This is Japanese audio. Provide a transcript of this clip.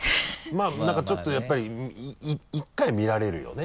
まぁ何かちょっとやっぱり１回は見られるよね。